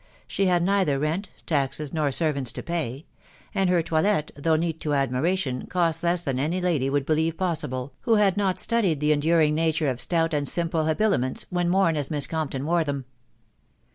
... She had neither rent, taxes, nor servants, to pay ; and her toilet, though neat to admiration, cost less than any lady would believe pos sible, who had not studied the enduring nature of stout and simple habiliments, when worn as Miss Compton wore them.